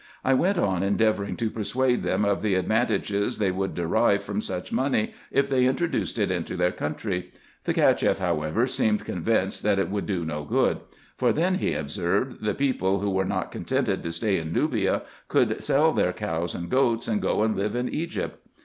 I went on endeavouring to persuade them of the advantages they would derive from such money, if they introduced it into their country. The Cacheff, however, seemed convinced, that it would do no good ; for then, he observed, the people who were not contented to stay in Nubia could sell their cows and goats, and go and live in Egypt.